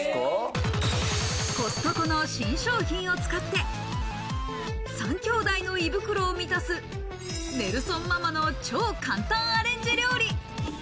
コストコの新商品を使って、３兄弟の胃袋を満たすネルソンママの超簡単アレンジ料理。